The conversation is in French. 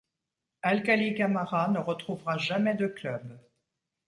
Alcaly Camara ne retrouvera jamais de club.